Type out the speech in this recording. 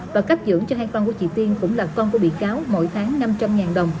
và cấp dưỡng cho hai con của chị tiên cũng là con của bị cáo mỗi tháng năm trăm linh đồng